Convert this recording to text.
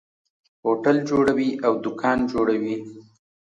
هوټل جوړوي او دکان جوړوي.